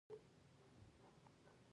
جانداد د عقل ښکلا هم لري.